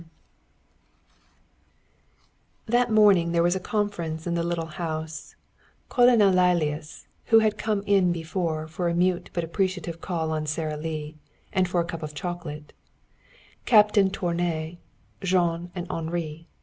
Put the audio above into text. ] XII That morning there was a conference in the little house Colonel Lilias, who had come in before for a mute but appreciative call on Sara Lee, and for a cup of chocolate; Captain Tournay, Jean and Henri.